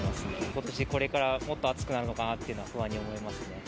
ことし、これからもっと暑くなるのかなっていうのは不安に思いますね。